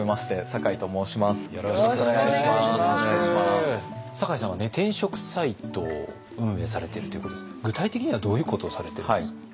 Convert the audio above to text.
酒井さんは転職サイトを運営されているということですが具体的にはどういうことをされてるんですか？